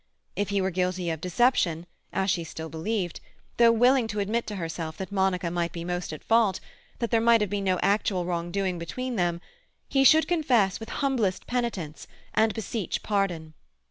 If he were guilty of deception, as she still believed, though willing to admit to herself that Monica might be most at fault, that there might have been no actual wrongdoing between them—he should confess with humblest penitence, and beseech pardon.